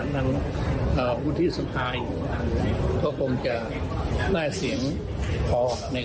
อันนี้ผมมั่นใจนะ